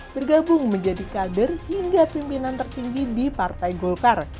bergabung menjadi kader hingga pimpinan tertinggi di partai golkar